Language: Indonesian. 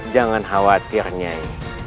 jangan khawatir nyai